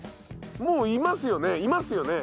もういますよね？